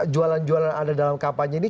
jualan jualan anda dalam kampanye ini